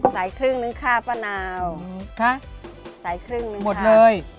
ใส่ครึ่งนึงค่ะป้าเนาครับใส่ครึ่งหมดเลย